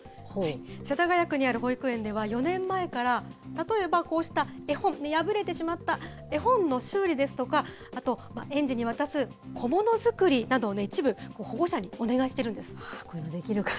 世田谷区にあります保育園では、４年前から、例えば、こうした絵本、破れてしまった絵本の修理ですとか、あと園児に渡す小物作りなど、一部、保護者にお願いしてこういうのできるかな。